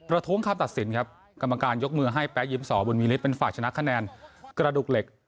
ท้วงคำตัดสินครับกรรมการยกมือให้แป๊ยิมสอบุญมีฤทธิเป็นฝ่ายชนะคะแนนกระดูกเหล็ก